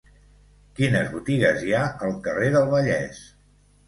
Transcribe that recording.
Quines botigues hi ha al carrer del Vallès?